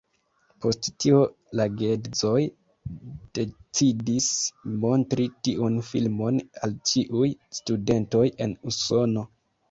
Post tio la geedzoj decidis montri tiun filmon al ĉiuj studentoj en Usono.